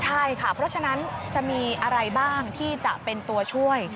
ใช่ค่ะเพราะฉะนั้นจะมีอะไรบ้างที่จะเป็นตัวช่วย